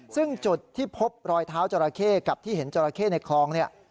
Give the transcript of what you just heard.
ซึ่งจุดที่พบรอยเท้าจราเข้กับที่เห็นจราเข้ในคลองเนี่ย